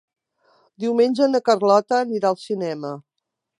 Diumenge na Carlota anirà al cinema.